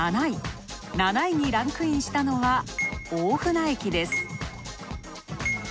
７位にランクインしたのは大船駅です。